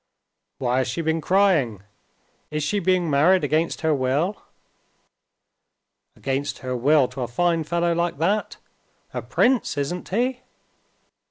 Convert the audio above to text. "Why has she been crying? Is she being married against her will?" "Against her will to a fine fellow like that? A prince, isn't he?"